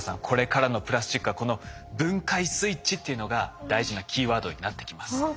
これからのプラスチックはこの分解スイッチっていうのが大事なキーワードになってきます。